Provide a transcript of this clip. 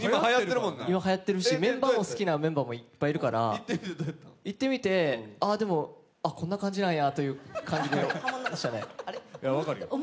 今はやっているし、メンバーも好きなメンバーがいっぱいいるから行ってみて、でも、あ、こんな感じなんやっていう感じでしたね。